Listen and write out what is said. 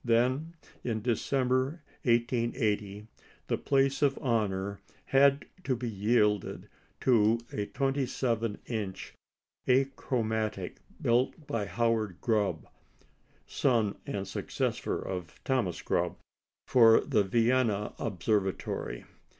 Then, in December, 1880, the place of honour had to be yielded to a 27 inch achromatic, built by Howard Grubb (son and successor of Thomas Grubb) for the Vienna Observatory.